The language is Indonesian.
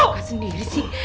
nggak sendiri sih